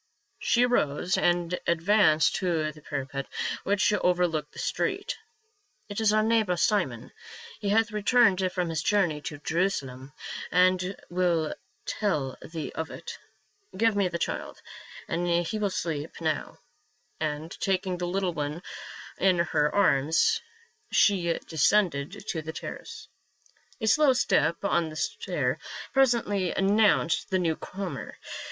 She arose and advanced to the parapet which over looked the street. " It is our neighbor, Simon ; he hath returned from his journey to Jerusalem and will tell thee of it. Give me the child ; he will sleep now," and taking the little one in her arms she de scended to the terrace. A slow step on the stair presently announced the new comer.